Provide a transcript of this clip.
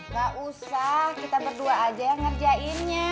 gak usah kita berdua aja yang ngerjainnya